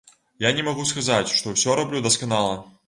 Я не магу сказаць, што ўсё раблю дасканала.